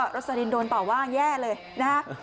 โรชดีนโดนป่าว่างแย่เลยนะ